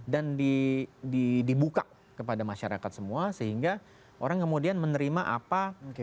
dan dibuka kepada masyarakat semua sehingga orang kemudian menerima apa kesalahan yang dilakukan oleh rezim otoritarian